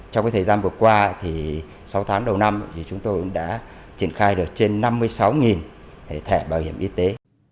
trong thời gian vừa qua sáu tháng đầu năm chúng tôi đã triển khai được trên năm mươi sáu thẻ bảo hiểm y tế